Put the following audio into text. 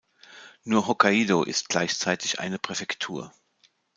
Nur Hokkaidō ist gleichzeitig eine Präfektur.